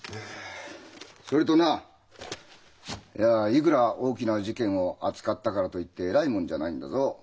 それとないやいくら大きな事件を扱ったからといって偉いもんじゃないんだぞ。